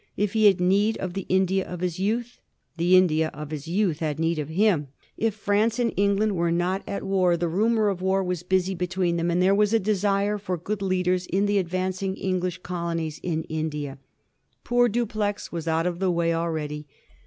If he had need of the India of his youth, the India of his youth had need of him. If France and England were not at 1166. BACK TO INDIA. 265 war, the rnmor of war was busy between them, and there was a desire for good leaders in the advancing English colonies in India. Poor Dapleix was out of the way al ready.